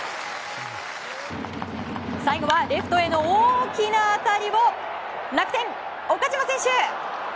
最後はレフトへの大きな当たりを楽天、岡島選手！